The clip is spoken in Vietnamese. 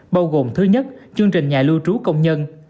bao gồm thứ nhất chương trình nhà lưu trú công nhân